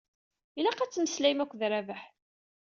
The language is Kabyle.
Ilaq ad temmeslayem akked Rabaḥ.